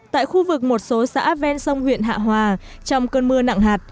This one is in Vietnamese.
tại khu vực một số xã ven sông huyện hạ hòa trong cơn mưa nặng hạt